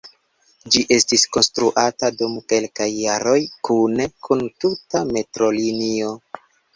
Ĝi estis konstruata dum kelkaj jaroj kune kun tuta metrolinio.